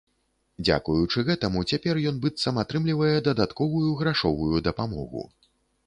Дзякуючы гэтаму цяпер ён, быццам, атрымлівае дадатковую грашовую дапамогу.